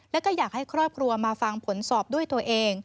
แล้วก็อยากให้ครอบครัวมาฟังผลสอบด้วยตัวเอง